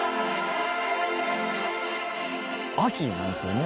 秋なんですよね